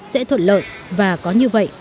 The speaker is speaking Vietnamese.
sẽ thuận lợi và có như vậy